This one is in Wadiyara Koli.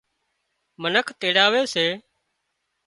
منک تيڙاوي سي